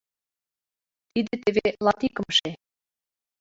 Тиде теве латикымше.